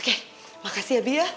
terima kasih ya bi ya